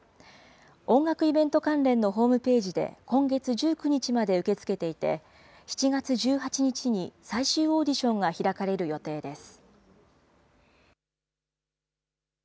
音楽イベント関連のホームページで、今月１９日まで受け付けていて、７月１８日に最終オーディションが開かれる予定です。